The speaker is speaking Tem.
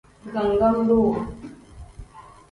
Digangam-duu.